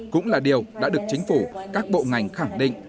cũng là điều đã được chính phủ các bộ ngành khẳng định